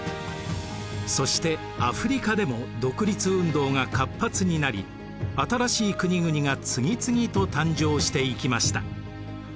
そしてアフリカでも独立運動が活発になり新しい国々が次々と誕生していきました。